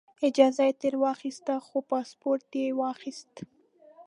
اجازه یې ترې واخیسته خو پاسپورټ یې واخیست.